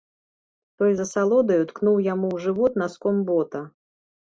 Той з асалодаю ткнуў яму ў жывот наском бота.